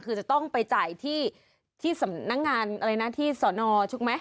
คือจะต้องไปจ่ายที่สำนักงานอะไรนะที่สอนอถูกไหม